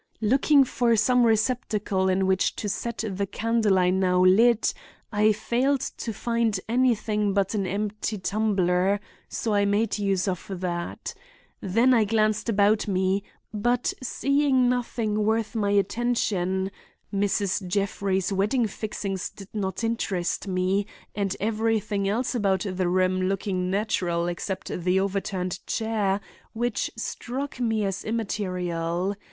Looking for some receptacle in which to set the candle I now lit, I failed to find anything but an empty tumbler, so I made use of that. Then I glanced about me, but seeing nothing worth my attention—Mrs. Jeffrey's wedding fixings did not interest me, and everything else about the room looking natural except the overturned chair, which struck me as immaterial.